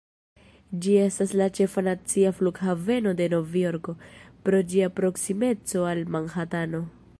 Ĝi estas la ĉefa nacia flughaveno de Novjorko, pro ĝia proksimeco al Manhatano.